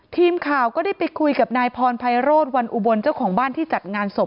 ทีมข่าวก็ได้ไปคุยกับนายพรไพโรธวันอุบลเจ้าของบ้านที่จัดงานศพ